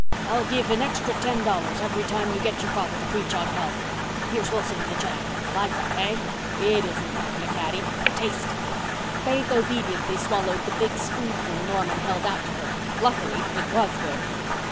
_' I'll give an extra ten dollars every time you get your father to preach on hell. Here's Wilson and the jam. Like that, hey? It isn't macanaccady. Taste!" Faith obediently swallowed the big spoonful Norman held out to her. Luckily it was good.